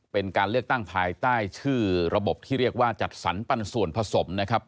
เป็นการเลือกตั้งภายใต้ชื่อระบบที่เรียกว่าจัดสรรปันส่วนผสมนะครับ